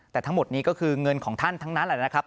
แต่ทั้งหมดนี้ก็คือเงินของท่านทั้งนั้นแหละนะครับ